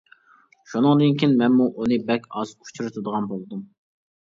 شۇنىڭدىن كېيىن مەنمۇ ئۇنى بەك ئاز ئۇچرىتىدىغان بولدۇم.